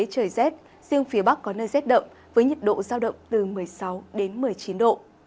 trời dết riêng phía bắc có nơi dết đậm với nhiệt độ giao động từ một mươi sáu một mươi chín độ